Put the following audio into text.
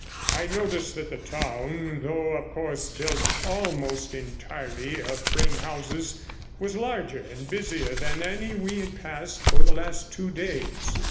I noticed that the town, though of course built almost entirely of frame houses, was larger and busier than any we had passed for the last two days.